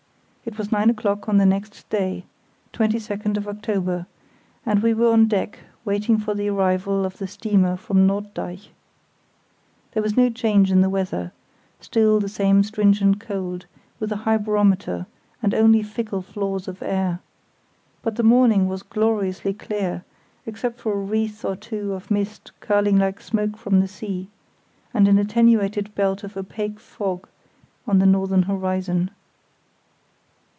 It was nine o'clock on the next day, October 22, and we were on deck waiting for the arrival of the steamer from Norddeich. There was no change in the weather—still the same stringent cold, with a high barometer, and only fickle flaws of air; but the morning was gloriously clear, except for a wreath or two of mist curling like smoke from the sea, and an attenuated belt of opaque fog on the northern horizon.